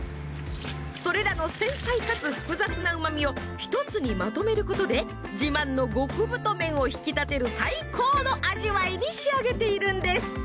それらの繊細かつ複雑な旨みを一つにまとめることで自慢の極太麺を引き立てる最高の味わいに仕上げているんです。